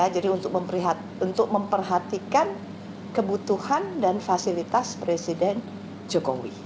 jadi untuk memperhatikan kebutuhan dan fasilitas presiden jokowi